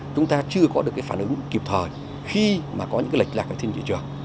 chúng ta chưa có được phản ứng kịp thời khi mà có những lệch lạc ở trên thị trường